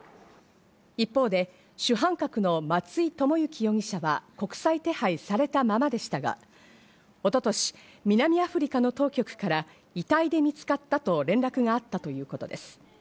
一方で主犯格の松井知行容疑者は、国際手配されたままでしたが、一昨年、南アフリカの当局から遺体で見つかったと連絡があったということです。